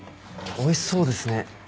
おいしそうですね。